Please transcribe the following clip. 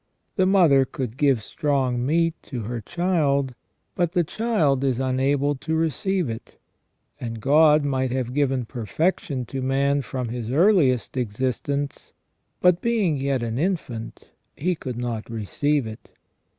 The mother could give strong meat to her child, but the child is unable to receive it. And God might have given perfection to man from his earliest existence, but being yet an infant, he could not receive it.